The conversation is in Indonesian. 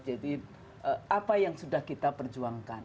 jadi apa yang sudah kita perjuangkan